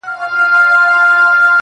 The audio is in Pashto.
د کابل سرمايه دارو